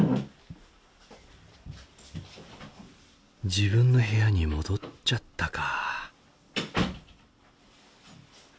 自分の部屋に戻っちゃったか。